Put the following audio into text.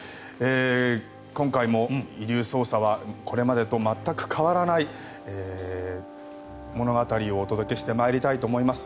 今回も「遺留捜査」はこれまでと全く変わらない物語をお届けしてまいりたいと思います。